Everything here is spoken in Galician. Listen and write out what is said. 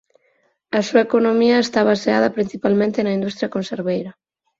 A súa economía está baseada principalmente na industria conserveira.